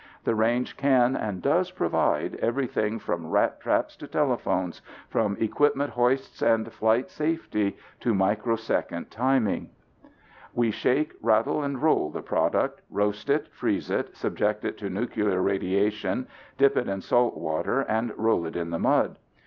The range can and does provide everything from rat traps to telephones, from equipment hoists and flight safety to microsecond timing. We shake, rattle and roll the product, roast it, freeze it, subject it to nuclear radiation, dip it in salt water and roll it in the mud.